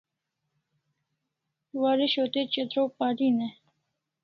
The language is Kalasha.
Waresho te chatraw parin e?